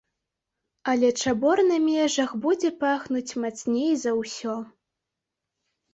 Але чабор на межах будзе пахнуць мацней за ўсё.